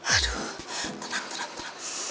aduh tenang tenang tenang